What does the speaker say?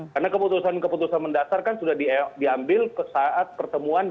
karena keputusan keputusan mendasar kan sudah diambil ke sasaran